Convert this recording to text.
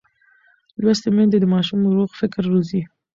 لوستې میندې د ماشوم روغ فکر روزي.